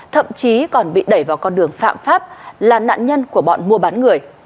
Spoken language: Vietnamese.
thậm chí còn bị đẩy vào con đường phạm pháp là nạn nhân của bọn mua bán người